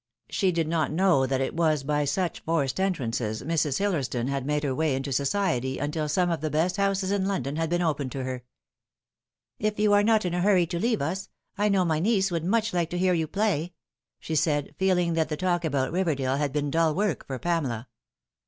She did not know that it was by such forced entrances Mrs. Hillersdon had made her way in society until some of the best houses in London had been opened to her. " If you are not in a hurry to leave us, I know my niece 106 The Fatal Thne. would much like to hear you play," she said, feeling that the talk about Biverdale had been dull work for Pamela.